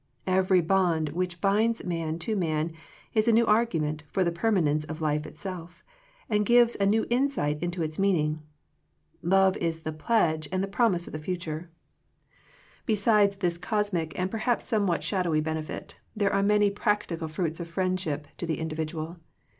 Every bond which binds man to man is a new argument for the permanence of life itself, and gives a new insight into its meaning. Love is the pledge and the promise of the future. 64 Digitized by VjOOQIC THE FRUITS OF FRIENDSHIP Besides this cosmic and perhaps some what shadowy benefit, there are many practical fruits of friendship to the indi vidual.